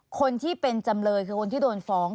คนที่เป็นจำเลยคือคนที่โดนฟ้อง